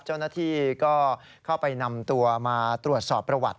เจ้าหน้าที่ก็เข้าไปนำตัวมาตรวจสอบประวัติ